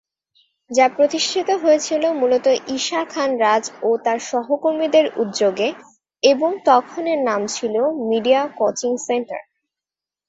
যা প্রতিষ্ঠিত হয়েছিল মূলত ঈশা খান রাজ ও তার সহকর্মীদের উদ্যোগে এবং তখন এর নাম ছিল মিডিয়া কোচিং সেন্টার।